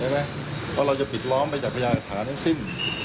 เพราะเราจะปิดล้อมไปจากประยากฐานอย่างสิ้น